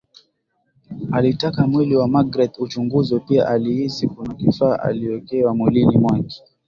Alitaka mwili wa magreth uchunguzwe pia alihisi kuna kifaa aliwekewa mwilini mwake